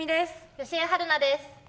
吉江晴菜です。